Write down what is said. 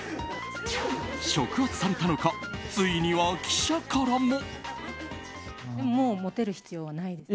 触発されたのかついには記者からも。